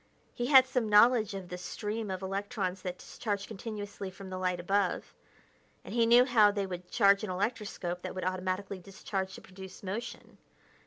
He had some knowledge of the stream of electrons that discharged continuously from the light above, and he knew how they could charge an electroscope that would automatically discharge to produce motion.